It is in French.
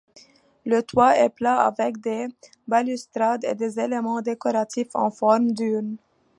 Le toit est plat avec des balustrades et des éléments décoratifs en forme d'urnes.